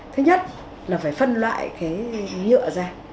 thứ nhất là phải phân loại cái nhựa ra